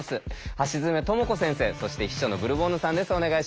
橋爪智子先生そして秘書のブルボンヌさんです。